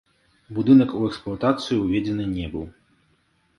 Будынак у эксплуатацыю ўведзены не быў.